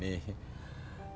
tapi dia sudah berhenti